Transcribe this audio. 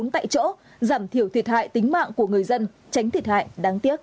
bốn tại chỗ giảm thiểu thiệt hại tính mạng của người dân tránh thiệt hại đáng tiếc